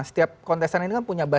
setiap kontesan ini kan punya berat